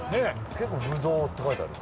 結構ぶどうって書いてある。